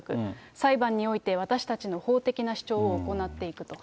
裁判において私たちの法的な主張を行っていくと。